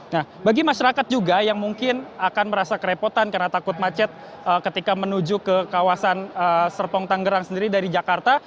nah bagi masyarakat juga yang mungkin akan merasa kerepotan karena takut macet ketika menuju ke kawasan serpong tanggerang sendiri dari jakarta